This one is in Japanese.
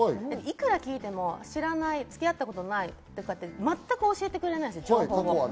いくら聞いても、知らない、付き合ったことないと、全く教えてくれないんですよ。